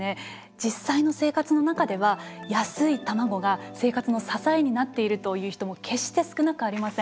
実際の生活の中では安い卵が生活の支えになっているという人も決して少なくありません。